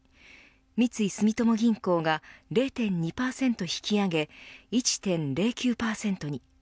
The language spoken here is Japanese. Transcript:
三井住友銀行が０．２％引き上げ１．０９％に。